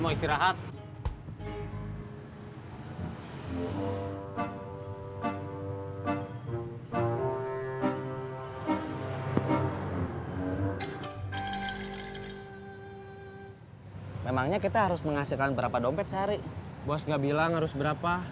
mau istirahat memangnya kita harus menghasilkan berapa dompet sehari bos nggak bilang harus berapa